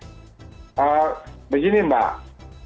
jadi bagaimana cara kita memperbaiki perusahaan ini